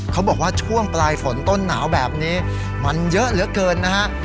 เขาบอกว่าช่วงปลายฝนต้นหนาวแบบนี้มันเยอะเหลือเกินนะฮะ